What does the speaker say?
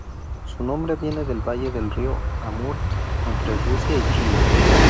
Su nombre viene del valle del río Amur entre Rusia y China.